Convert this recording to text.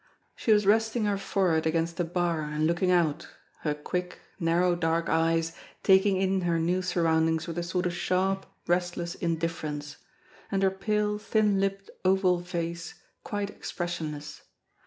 She was resting her forehead against a bar and looking out, her quick, narrow dark eyes taking in her new surroundings with a sort of sharp, restless indifference; and her pale, thin upped, oval face quite expressionless.